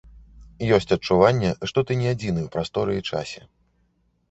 Ёсць адчуванне, што ты не адзіны ў прасторы і часе.